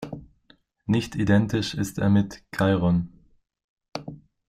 Nicht identisch ist er mit Cheiron.